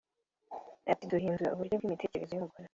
Ati “Duhindura uburyo bw’imitekerereze y’umugore